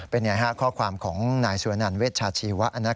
เป็นไง๕ข้อความของนายสุวนันเวชชาชีวะ